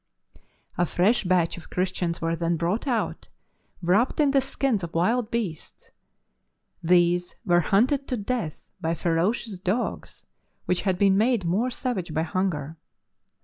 A fresh batch of Christians were then brought out, wrapped in the skins of wild beasts. These were hunted to death by ferocious dogs which had been made more savage by hunger.